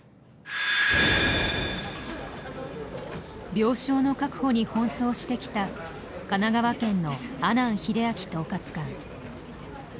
病床の確保に奔走してきた神奈川県の阿南英明統括官。